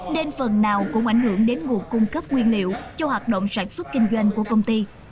nên phần nào cũng ảnh hưởng đến nguồn cung cấp nguyên liệu cho hoạt động sản xuất kinh doanh của công ty